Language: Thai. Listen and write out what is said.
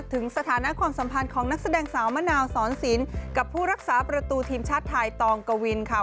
ถึงสถานะความสัมพันธ์ของนักแสดงสาวมะนาวสอนสินกับผู้รักษาประตูทีมชาติไทยตองกวินค่ะ